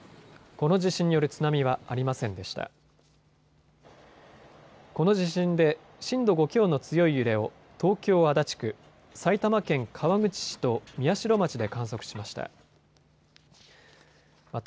この地震で震度５強の強い揺れを東京足立区、埼玉県川口市と宮代町で観測しました。